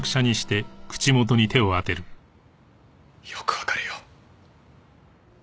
よくわかるよ。